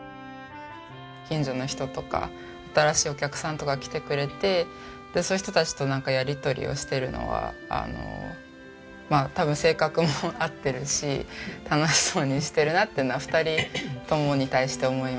近所の人とか新しいお客さんとかが来てくれてそういう人たちとやり取りをしているのは多分性格も合ってるし楽しそうにしてるなっていうのは２人ともに対して思いますね。